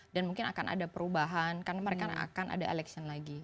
dan mungkin akan ada perubahan karena mereka akan ada election lagi